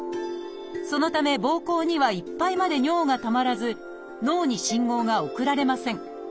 そのためぼうこうにはいっぱいまで尿がたまらず脳に信号が送られません。